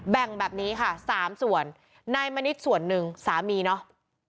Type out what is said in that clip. แบ่งแบบนี้ค่ะสามส่วนนายมณิษฐ์ส่วนหนึ่งสามีเนาะ